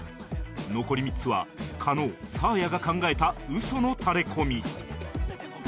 残り３つは加納サーヤが考えた嘘のタレコミ